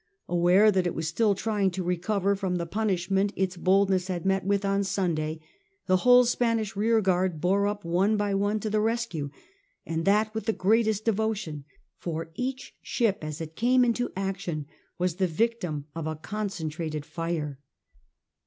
Aware that it was still trying to recover from the punishment its boldness had met with on Sunday, the whole Spanish rearguard bore up one by one to the rescue, and that with the greatest devotion, for each ship as it came into action was the victim of a concentrated fire.